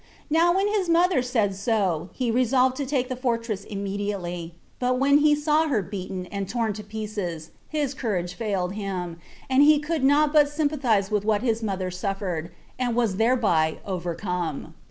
Now when his mother said so, he resolved to take the fortress immediately; but when he saw her beaten, and torn to pieces, his courage failed him, and he could not but sympathize with what his mother suffered, and was thereby overcome.